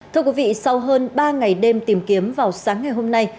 thưa quý vị sau hơn ba ngày đêm tìm kiếm vào sáng ngày hôm nay